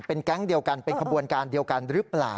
เป็นแก๊งเดียวกันเป็นขบวนการเดียวกันหรือเปล่า